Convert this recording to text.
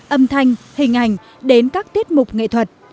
âm thanh hình ảnh đến các tiết mục nghệ thuật